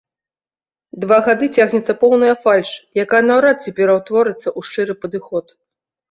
Два гады цягнецца поўная фальш, якая наўрад ці пераўтворыцца ў шчыры падыход.